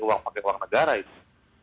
uang pakai uang negara itu